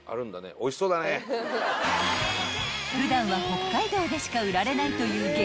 ［普段は北海道でしか売られないという激